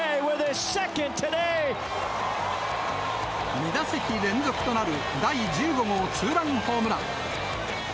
２打席連続となる第１５号ツーランホームラン。